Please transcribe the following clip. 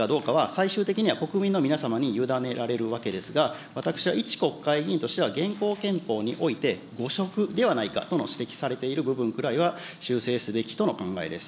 最終的には国民の皆様に委ねられるわけでありますが、私は一国会議員としては、現行憲法において、誤植ではないかとの指摘されている部分くらいは修正すべきとの考えです。